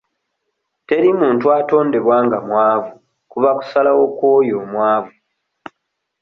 Teri muntu atondebwa nga mwavu kuba kusalawo kw'oyo omwavu.